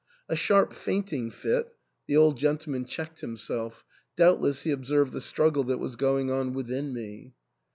A sharp fainting fit " The old gentleman checked himself ; doubtless he ob served the struggle that was going on within me.